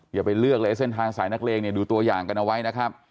อย่าไปเลือกเลยเส้นทางสายนักเลงเนี่ยดูตัวอย่างกันเอาไว้นะครับ